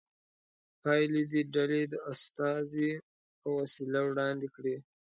پایلې دې ډلې د استازي په وسیله وړاندې کړي.